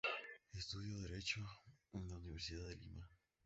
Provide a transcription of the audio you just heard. Estudió Derecho en la Universidad de Lima.